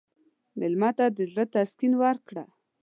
مېلمه ته د زړه تسکین ورکړه.